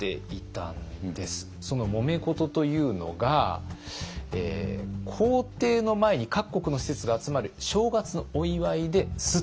そのもめ事というのが皇帝の前に各国の使節が集まる正月のお祝いですったもんだがあったと。